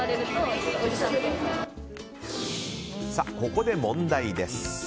ここで問題です。